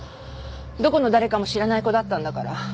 どこの誰かも知らない子だったんだから。